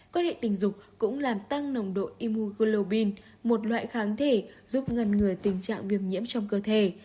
quan hệ tình dục cũng làm tăng nồng độ imu globin một loại kháng thể giúp ngăn ngừa tình trạng viêm nhiễm trong cơ thể